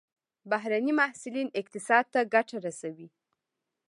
بهرني محصلین اقتصاد ته ګټه رسوي.